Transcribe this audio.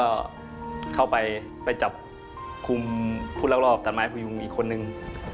ก็เข้าไปไปจับคุมผู้ลักลอบตัดไม้พยุงอีกคนนึง